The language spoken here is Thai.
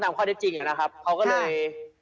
ตามข้อเรียบจริงอะนะครับเขาก็เลย